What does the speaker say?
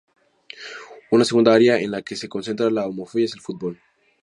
Una segunda área en la que se concentra la homofobia es el fútbol.